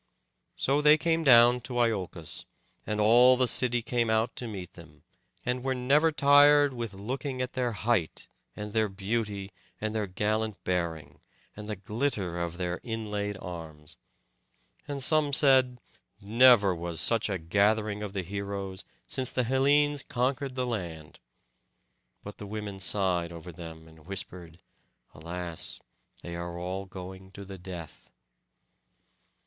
So they came down to Iolcos, and all the city came out to meet them, and were never tired with looking at their height, and their beauty, and their gallant bearing, and the glitter of their inlaid arms. And some said, "Never was such a gathering of the heroes since the Hellenes conquered the land." But the women sighed over them, and whispered, "Alas! they are all going to the death."